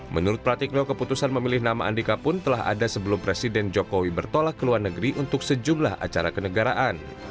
menurut pratikno keputusan memilih nama andika pun telah ada sebelum presiden jokowi bertolak ke luar negeri untuk sejumlah acara kenegaraan